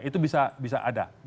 itu bisa ada